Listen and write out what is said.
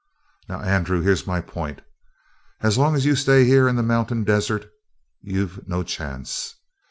"Now, Andrew, here's my point: As long as you stay here in the mountain desert you've no chance.